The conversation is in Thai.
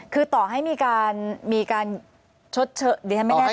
คือต่อให้มีการชดเชิดหรือถ้าไม่แน่ใจ